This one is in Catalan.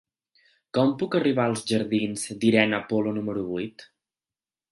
Com puc arribar als jardins d'Irene Polo número vuit?